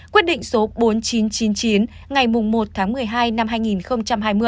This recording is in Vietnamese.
quyết định số bốn nghìn chín trăm chín mươi chín ngày một tháng một mươi hai năm hai nghìn hai mươi